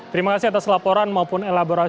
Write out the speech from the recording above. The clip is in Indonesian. terima kasih atas laporan maupun elaborasi